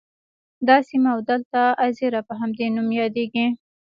دا سیمه او دلته اَذيره په همدې نوم یادیږي.